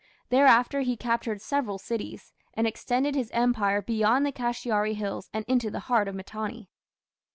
Thereafter he captured several cities, and extended his empire beyond the Kashiari hills and into the heart of Mitanni.